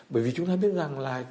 bởi vì chúng ta biết rằng là